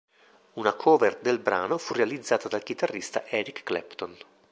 Una cover del brano fu realizzata dal chitarrista Eric Clapton.